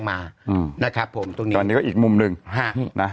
มันก็ไม่ได้นะ